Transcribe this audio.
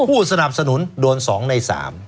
ผู้สนับสนุนโดน๒ใน๓